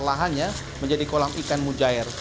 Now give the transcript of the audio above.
lahannya menjadi kolam ikan mujair